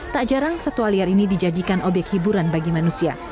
tak jarang satwa liar ini dijadikan obyek hiburan bagi manusia